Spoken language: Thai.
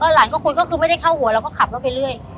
หลานก็คุยก็คือไม่ได้เข้าหัวเราก็ขับรถไปเรื่อย